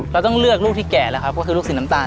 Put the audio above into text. เราต้องเลือกลูกที่แก่แล้วครับก็คือลูกสีน้ำตาล